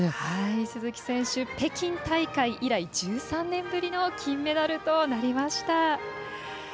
鈴木選手、北京大会以来１３年ぶりの金メダルとなりました。